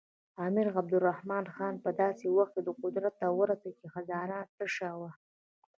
امیر عبدالرحمن خان په داسې وخت کې قدرت ته ورسېد چې خزانه تشه وه.